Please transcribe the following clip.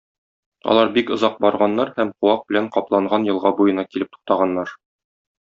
Алар бик озак барганнар һәм куак белән капланган елга буена килеп туктаганнар.